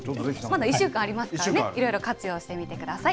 まだ１週間ありますからね、いろいろ活用してみてください。